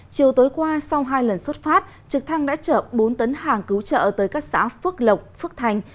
chiều tối qua sau hai lần xuất phát trực thăng đã chở bốn tấn hàng cứu trợ tới các xã phước lộc phước thành